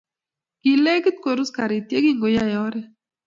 Kilegiit korus gariit ye kingooiyei oret.